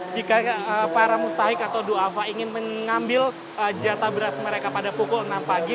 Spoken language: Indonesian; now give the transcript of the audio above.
jika para mustahik atau do'afa ingin mengambil jatah beras mereka pada pukul enam pagi